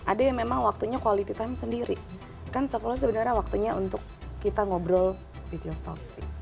ada yang memang waktunya quality time sendiri kan self love sebenernya waktunya untuk kita ngobrol with yourself sih